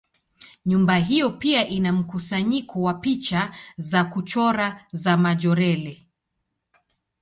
Nyumba hiyo pia ina mkusanyiko wa picha za kuchora za Majorelle.